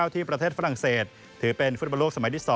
ที่ประเทศฝรั่งเศสถือเป็นฟุตบอลโลกสมัยที่๒